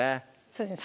そうですね